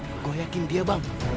bang gue yakin dia bang